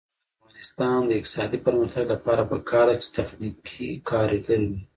د افغانستان د اقتصادي پرمختګ لپاره پکار ده چې تخنیکي کارګر وي.